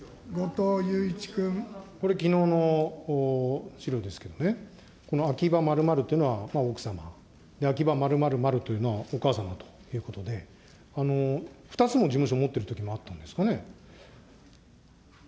これ、きのうの資料ですけどね、この秋葉〇〇というのは奥様、で、秋葉○○○というのはお母様ということで、２つの事務所持ってるときもあったんですかね。